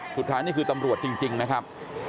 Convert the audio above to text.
สุดท้ายนี่คือตำรวจจริงนะครับ